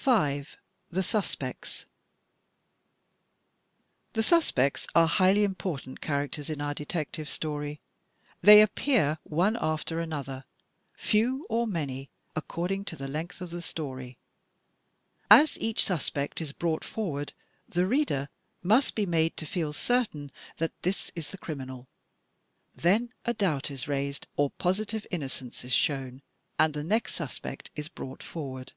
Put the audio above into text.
5. The Suspects The suspects are highly important characters in our Detect ive Story. They appear one after another, few or many, according to the length of the story. As each suspect is brought forward, the reader must be made to feel certain 240 THE TECHNIQUE OF THE MYSTERY STORY that this is the criminal. Then a doubt is raised or positive innocence is shown, and the next suspect is brought forward.